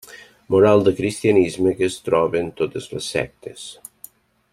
Moral del cristianisme que es troba en totes les sectes.